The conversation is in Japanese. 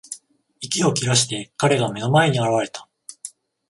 息を切らして、彼が目の前に現れた。